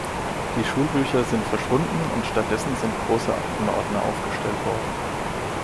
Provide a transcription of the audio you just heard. Die Schulbücher sind verschwunden und stattdessen sind große Aktenordner aufgestellt worden.